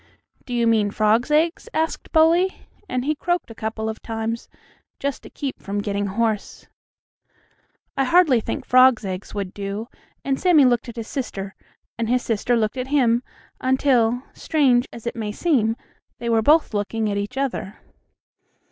"Do you mean frogs' eggs?" asked Bully, and he croaked a couple of times, just to keep from getting hoarse. "I hardly think frogs' eggs would do," and Sammie looked at his sister, and his sister looked at him, until, strange as it may seem, they were both looking at each other.